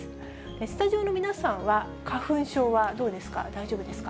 スタジオの皆さんは、花粉症はどうですか、大丈夫ですか？